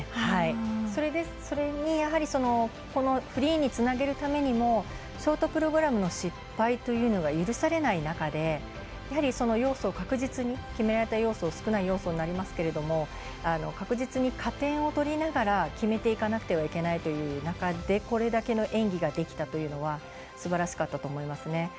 それに、やはりフリーにつなげるためにもショートプログラムの失敗というの許されない中でやはり、その要素を確実に、決められた要素少ない要素になりますが確実に加点を取りながら決めていかなければいかない中でこれだけの演技ができたというのはすばらしかったと思いますね。